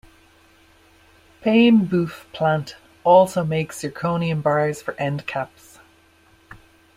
Paimboeuf plant also makes zirconium bars for end caps.